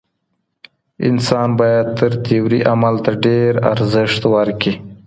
انسان بايد تر تيوري عمل ته ډېر ارزښت ورکړي.